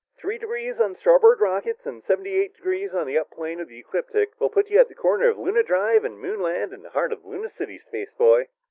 "Three degrees on the starboard rockets, seventy eight degrees on the up plane of the ecliptic will put you at the corner of Luna Drive and Moonset Land in the heart of Luna City, spaceboy!"